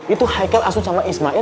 itu haikal asuhan sama ismail